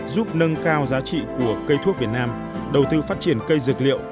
giúp nâng cao giá trị của cây thuốc việt nam đầu tư phát triển cây dược liệu